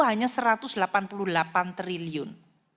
hanya satu ratus delapan puluh delapan triliun